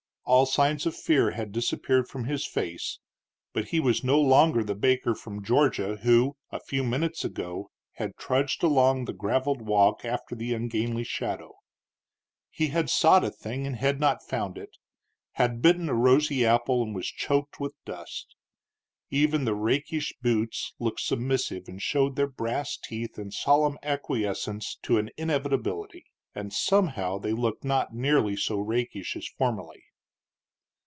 All signs of fear had disappeared from his face; but he was no longer the Baker from Georgia who, a few minutes ago, had trudged along the gravelled walk after the ungainly shadow. He had sought a thing and had not found it had bitten a rosy apple and was choked with dust. Even the rakish boots looked submissive, and showed their brass teeth in solemn acquiescence to an inevitability; and somehow they looked not nearly so rakish as formerly.